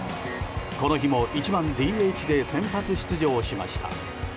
この日も１番ＤＨで先発出場しました。